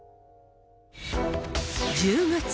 １０月。